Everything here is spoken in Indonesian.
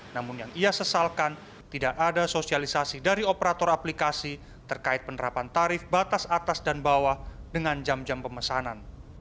namun yang ia sesalkan tidak ada sosialisasi dari operator aplikasi terkait penerapan tarif batas atas dan bawah dengan jam jam pemesanan